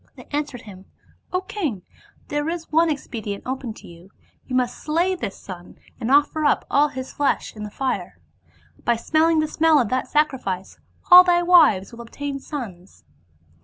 They answered him, ' O king, there is one expe dient open to you ; you must slay this son and offer up all his flesh in the fire. By smelling the smell of that sacri fice all thy wives will obtain sons.'